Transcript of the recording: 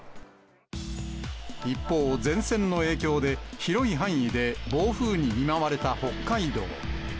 一方、前線の影響で、広い範囲で暴風に見舞われた北海道。